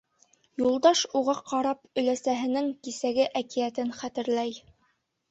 Юлдаш, уға ҡарап, өләсәһенең кисәге әкиәтен хәтерләй.